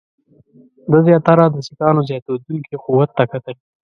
ده زیاتره د سیکهانو زیاتېدونکي قوت ته کتل.